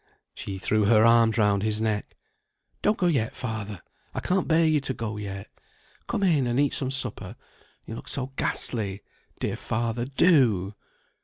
She threw her arms round his neck. "Don't go yet, father; I can't bear you to go yet. Come in, and eat some supper; you look so ghastly; dear father, do!"